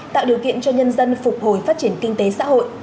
tạo điều kiện cho nhân dân phục hồi phát triển kinh tế xã hội